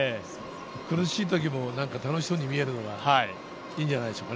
苦しい時も楽しそうに見えるのが、いいんじゃないでしょうか。